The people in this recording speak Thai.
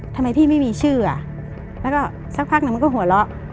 ทำไมพี่ไม่มีชื่ออ่ะแล้วก็สักพักหนึ่งมันก็หัวเราะ